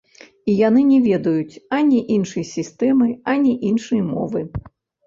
І яны не ведаюць ані іншай сістэмы, ані іншай мовы.